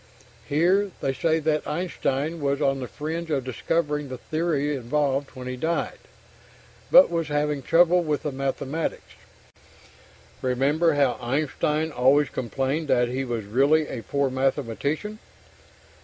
(Here they say that Einstein was on the fringe of discovering the theory involved when he died, but was having trouble with the mathematics. Remember how Einstein always complained that he was really a poor mathematician?)